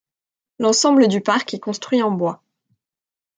L'ensemble du parc est construit en bois.